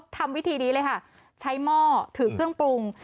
ทำวิธีนี้เลยค่ะใช้หม้อถือเครื่องปรุง